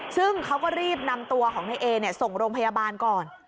ซึ่งเค้าก็รีบนำตัวของในเอนเนี่ยส่งโรงพยาบาลก่อน